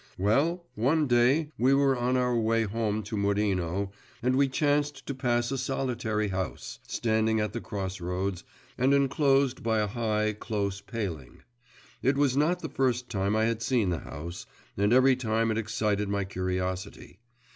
Well, one day we were on our way home to Murino, and we chanced to pass a solitary house, standing at the cross roads, and enclosed by a high, close paling. It was not the first time I had seen the house, and every time it excited my curiosity.